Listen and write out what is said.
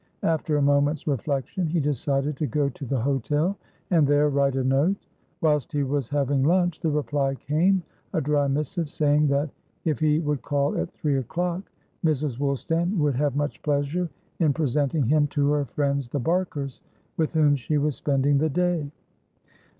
After a moment's reflection, he decided to go to the hotel, and there write a note. Whilst he was having lunch, the reply came, a dry missive, saying that, if he would call at three o'clock, Mrs. Woolstan would have much pleasure in presenting him to her friends the Barkers, with whom she was spending the day.